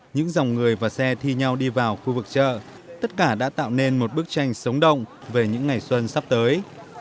những dòng người và xe thi nhau đi vào khu vực chợ tất cả đã tạo nên một bức tranh sống động về những ngày xuân sắp tới